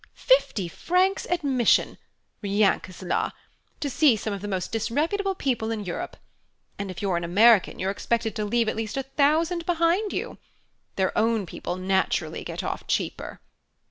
Fifty francs admission rien que cela! to see some of the most disreputable people in Europe. And if you're an American, you're expected to leave at least a thousand behind you. Their own people naturally get off cheaper."